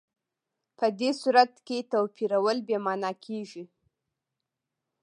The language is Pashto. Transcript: په دې صورت کې توپیرول بې معنا کېږي.